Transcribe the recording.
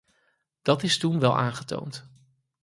Dat is toen wel aangetoond.